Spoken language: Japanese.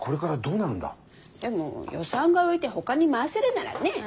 でも予算が浮いてほかに回せるならねえ。